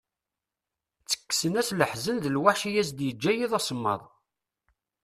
Ttekksen-as leḥzen d lweḥc i as-yeǧǧa yiḍ asemmaḍ.